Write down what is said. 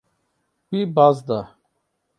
Wî baz da.